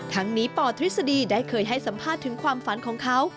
ทั้งนี้ปทฤษฎีได้เคยให้สัมภาษณ์ถึงความฝันของเขา